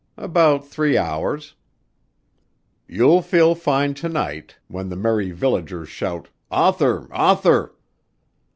"About three hours." "You'll feel fine by to night when the merry villagers shout 'Author! Author!'"